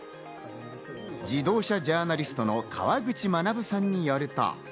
自動車ジャーナリストの河口まなぶさんによると。